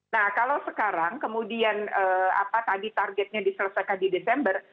nah kalau sekarang kemudian apa tadi targetnya diselesaikan di desember